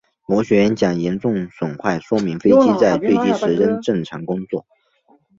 螺旋桨严重损坏说明飞机在坠机时仍正常工作。